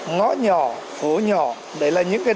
ngõ nhỏ phố nhỏ đấy là những đặc điểm